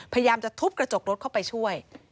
พยายามจะทุบกระจกรถเข้าไปช่วย